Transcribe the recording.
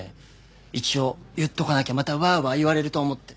一応言っとかなきゃまたワーワー言われると思って。